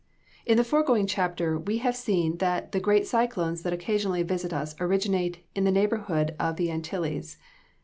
In the foregoing chapter we have seen that the great cyclones that occasionally visit us originate in the neighborhood of the Antilles.